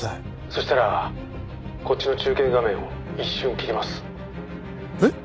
「そしたらこっちの中継画面を一瞬切ります」えっ？